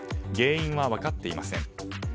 原因は分かっていません。